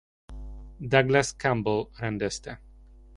Douglas Campbell rendezte.